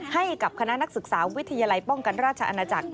ให้กับคณะนักศึกษาวิทยาลัยป้องกันราชอาณาจักร